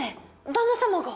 旦那様が？